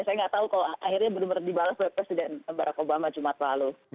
saya nggak tahu kalau akhirnya benar benar dibalas oleh presiden barack obama jumat lalu